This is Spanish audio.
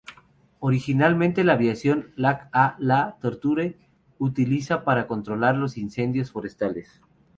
Originalmente aviación Lac-a-la-Tortue utiliza para controlar los incendios forestales.